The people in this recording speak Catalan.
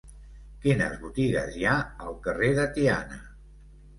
Quines botigues hi ha al carrer de Tiana?